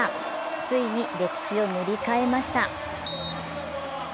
ついに歴史を塗り替えました。